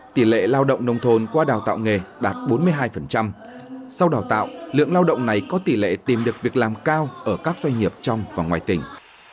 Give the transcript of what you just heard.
tỷ lệ lao động nông thôn qua đào tạo nghề đạt bốn mươi hai sau đào tạo lượng lao động này có tỷ lệ tìm được việc làm cao ở các doanh nghiệp trong và ngoài tỉnh